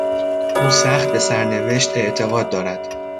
او سخت به سرنوشت اعتقاد دارد.